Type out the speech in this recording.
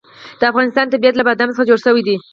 د افغانستان طبیعت له بادام څخه جوړ شوی دی.